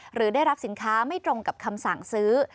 หรือได้รับสินค้าไม่ตรงกับคำสั่งซื้อ